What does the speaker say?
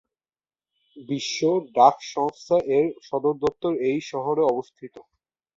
বিশ্ব ডাক সংস্থা -এর সদর দপ্তর এই শহরে অবস্থিত।